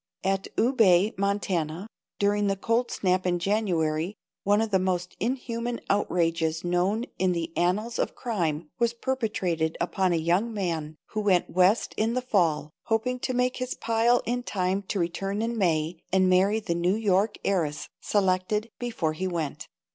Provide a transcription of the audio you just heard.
At Ubet, M.T., during the cold snap in January, one of the most inhuman outrages known in the annals of crime was perpetrated upon a young man who went West in the fall, hoping to make his pile in time to return in May and marry the New York heiress selected before he went.